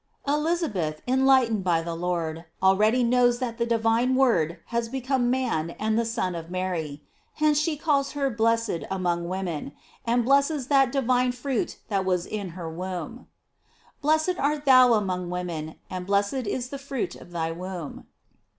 Elizabeth enlight ened by the Lord, already knows that the divine Word has become man and the Son of Maryj hence she calls her blessed among women, and blesses that divine fruit that was in her womb: "Blessed art thou among women, and blessed is the fruit of thy womb."